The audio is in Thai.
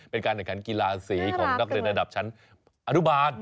เป็นการเนื้อการกีฬาเสียของนักเรียนระดับชั้นอนุบาท